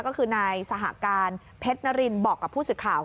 ก็คือนายสหการเพชรนรินบอกกับผู้สื่อข่าว